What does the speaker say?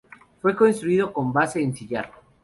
Fue construido con base en sillar.